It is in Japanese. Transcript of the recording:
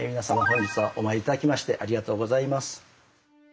本日はお参り頂きましてありがとうございます。